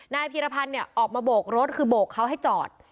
พีรพันธ์เนี่ยออกมาโบกรถคือโบกเขาให้จอด